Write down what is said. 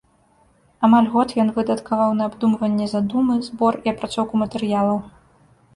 Амаль год ён выдаткаваў на абдумванне задумы, збор і апрацоўку матэрыялаў.